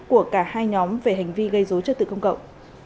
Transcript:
của cả hai nhóm về hành vi gây dối trật tự công cộng